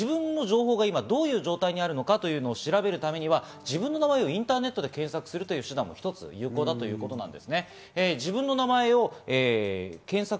なかなかすぐ防ぐ事は難しいかもしれませんけど、自分の情報が今どういう状態にあるのかというのを調べるためには、自分の名前をインターネットの検索をするという手段も一つ、有効だということです。